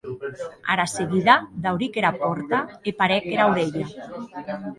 Ara seguida dauric era pòrta e parèc era aurelha.